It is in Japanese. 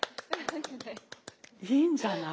いいんじゃない。